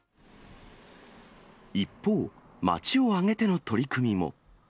一方、町を上げての取り組みも。